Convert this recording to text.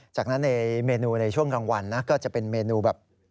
จากนั้นในเมนูในช่วงกลางวันนะก็จะเป็นเมนูแบบ